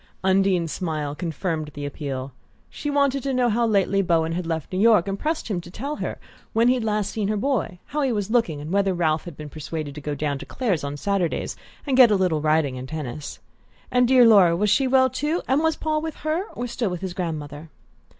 Undine's smile confirmed the appeal. She wanted to know how lately Bowen had left New York, and pressed him to tell her when he had last seen her boy, how he was looking, and whether Ralph had been persuaded to go down to Clare's on Saturdays and get a little riding and tennis? And dear Laura was she well too, and was Paul with her, or still with his grandmother?